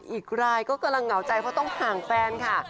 อีกรายก็กำลังเหงาใจเพราะต้องห่างแฟนค่ะ